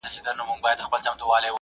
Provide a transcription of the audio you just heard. ستر انسان څوک دی؟